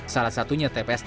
salah satunya tpst